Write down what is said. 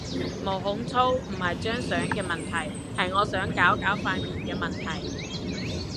毛孔粗唔係張相嘅問題，係我想搞搞塊面嘅問題